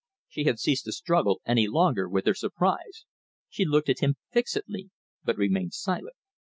She had ceased to struggle any longer with her surprise. She looked at him fixedly but remained silent.